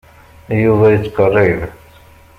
Yuba yettqerrib.